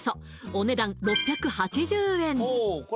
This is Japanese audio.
お値段６８０円